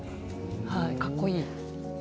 かっこいい。